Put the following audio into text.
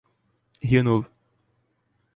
Rio Novo